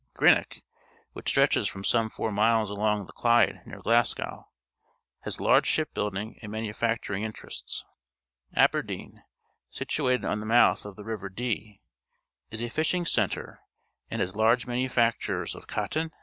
Greenock, which stretches for some four miles along the Ch'de near Glasgow, has large ship building and manu facturing interests. Aberdeen , situated at the mouth of the river Dee, is a fishing centre and has large manufactures of cotton and linen. '■^$^■ ■'■11^.